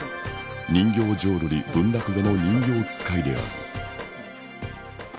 人形浄瑠璃文楽座の人形遣いである。